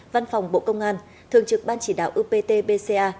văn phòng bộ công an thường trực ban chỉ đạo upt bca